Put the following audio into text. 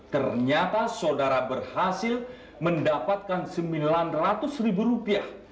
ternyata saudara berhasil mendapatkan sembilan ratus ribu rupiah